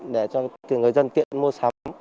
để cho người dân tiện mua sắm